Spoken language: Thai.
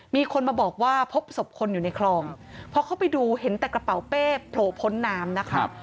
มีคนมาบอกว่าพบศพคนอยู่ในคลองพอเข้าไปดูเห็นแต่กระเป๋าเป้โผล่พ้นน้ำนะครับ